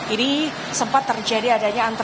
ini sempat terjadi adanya antrian